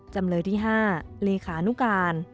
จำเลยที่๕เลขานุการ